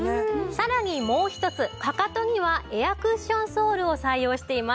さらにもう一つかかとにはエアクッションソールを採用しています。